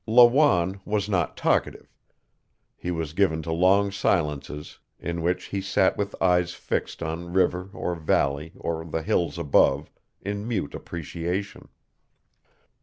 Lawanne was not talkative. He was given to long silences in which he sat with eyes fixed on river or valley or the hills above, in mute appreciation.